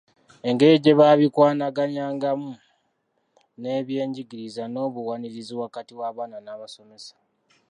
Engeri gye babikwanaganyaamu n’ebyenjigiriza n’obuwanirizi wakati w’abaana n’abasomesa.